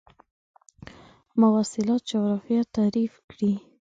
مواصلات جغرافیه تعریف کړئ.